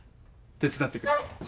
手伝ってくれ。